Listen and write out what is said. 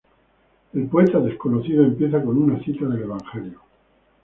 El poeta desconocido empieza con una cita del evangelio.